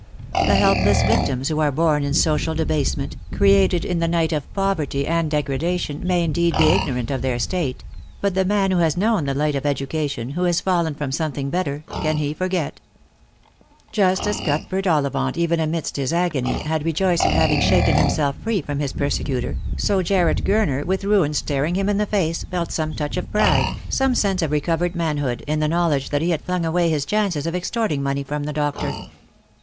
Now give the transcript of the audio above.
The helpless victims who are born in social debasement, created in the night of poverty and degradation, may indeed be ignorant of their state; but the man who has known the light of education, who has fallen frov' something better, can he forget ? Just as Cuthbert Ollivant, even amidst his agony, had r« joiced at having shaken himself free from his persecutor, si Jarred Gurner, with ruin starting him in the face, felt somt. touch of pride, some sense of recovered manhood, in the know ledge that he had flung away his chances of extorting money from the doctor.